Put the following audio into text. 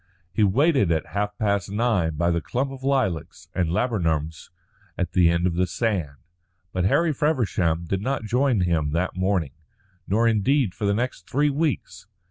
He waited at half past nine by the clump of lilacs and laburnums at the end of the sand, but Harry Feversham did not join him that morning, nor indeed for the next three weeks.